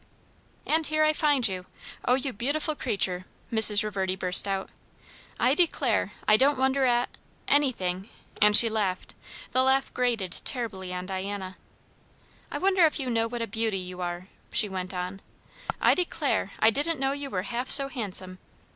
"And here I find you! O you beautiful creature!" Mrs. Reverdy burst out. "I declare, I don't wonder at anything!" and she laughed. The laugh grated terribly on Diana. "I wonder if you know what a beauty you are?" she went on; "I declare! I didn't know you were half so handsome.